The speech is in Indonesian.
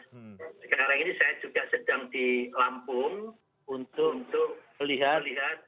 sekarang ini saya juga sedang di lampung untuk melihat lihat